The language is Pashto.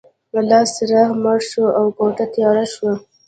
لاسي څراغ مړ شو او کوټه تیاره شوه